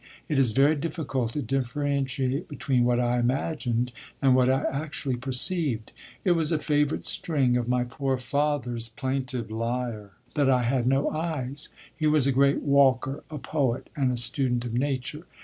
It is very difficult to differentiate between what I imagined and what I actually perceived. It was a favourite string of my poor father's plaintive lyre that I had no eyes. He was a great walker, a poet, and a student of nature.